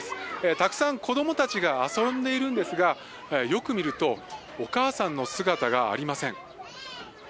たくさん子どもたちが遊んでいるんですが、よく見ると、お母さんの姿がありません。